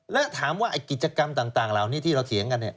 และถามว่ากิจกรรมต่างเหล่านี้ที่เราเถียงกัน